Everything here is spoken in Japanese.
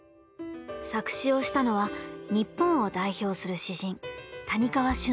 作詞をしたのは日本を代表する詩人谷川俊太郎さんです。